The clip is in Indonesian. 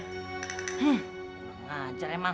hmm kurang ngajar emang